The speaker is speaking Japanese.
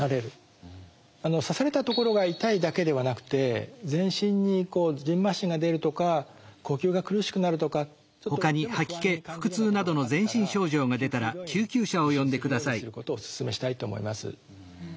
刺されたところが痛いだけではなくて全身にじんましんが出るとか呼吸が苦しくなるとかちょっとでも不安に感じるようなことがあったら救急病院受診するようにすることをおすすめしたいと思います。